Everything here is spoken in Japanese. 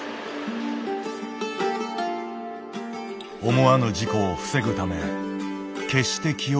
思わぬ事故を防ぐため決して気を緩めない。